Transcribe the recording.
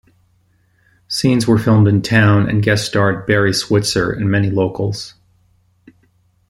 Scenes were filmed in town and guest starred Barry Switzer and many locals.